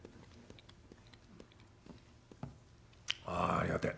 「ああありがてえ。